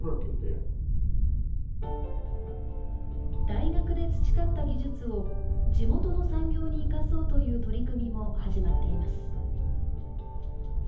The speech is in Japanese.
大学で培った技術を地元の産業に生かそうという取り組みも始まっています。